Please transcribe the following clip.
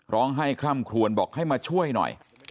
ร้องให้คร่ำครวญบอกให้มาช่วยหน่อย